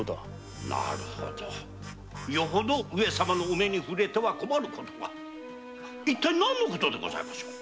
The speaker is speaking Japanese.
なるほどよほど上様のお目にふれては困る事が一体何でございましょう？